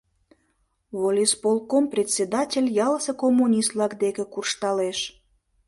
Волисполком председатель ялысе коммунист-влак дек куржталеш.